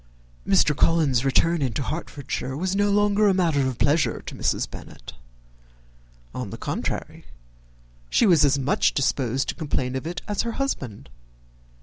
Mr. Collins's return into Hertfordshire was no longer a matter of pleasure to Mrs. Bennet. On the contrary, she was as much disposed to complain of it as her husband.